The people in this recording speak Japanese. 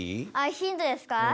ヒントですか？